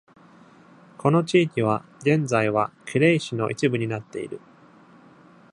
この地域は、現在はクレイ市の一部になっている。